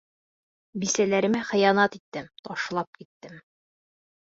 Бисәләремә хыянат иттем, ташлап киттем.